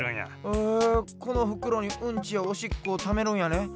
へえこのふくろにうんちやおしっこをためるんやね。